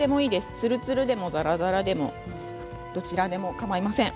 つるつるでも、ざらざらでもどちらでもかまいません。